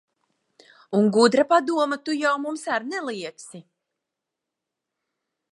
Un gudra padoma tu jau mums ar neliegsi.